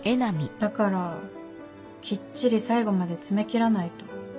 だからきっちり最後まで詰め切らないと。